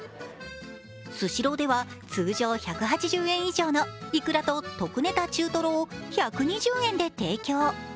スシローでは通常１８０円以上のいくらとと特ネタ中とろを１２０円で提供。